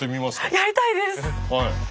やりたいです！